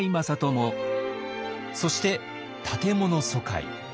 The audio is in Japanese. そして建物疎開。